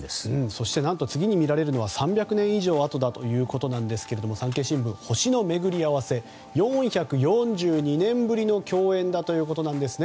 そして次に見られるのは３００年以上あとだということですが産経新聞、星の巡り合わせ４４２年ぶりの共演ということです。